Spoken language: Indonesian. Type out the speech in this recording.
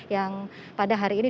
yang pada hari ini